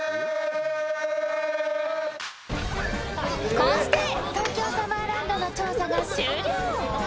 こうして東京サマーランドの調査が終了。